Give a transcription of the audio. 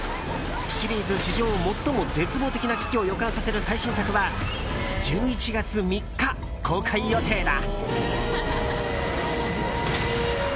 シリーズ史上最も絶望的な危機を予感させる最新作は１１月３日、公開予定だ。